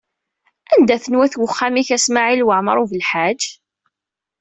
Anda-ten wat uxxam-ik a Smawil Waɛmaṛ U Belḥaǧ?